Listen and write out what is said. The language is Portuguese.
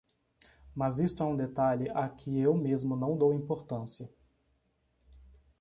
Mas isto é um detalhe a que eu mesmo não dou importância.